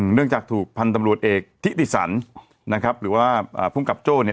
เนื่องจากถูกพันธุ์ตำรวจเอกทิติสันนะครับหรือว่าภูมิกับโจ้เนี่ย